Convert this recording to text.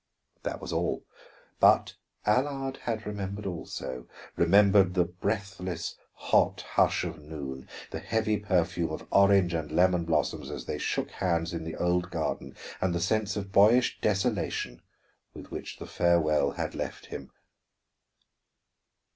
That was all. But Allard had remembered also; remembered the breathless, hot hush of noon, the heavy perfume of orange and lemon blossoms, as they shook hands in the old garden, and the sense of boyish desolation with which the farewell had left him.